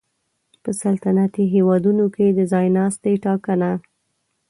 په سلطنتي هېوادونو کې د ځای ناستي ټاکنه